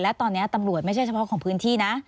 และตอนนี้ตำรวจไม่ใช่เฉพาะของพื้นที่นะ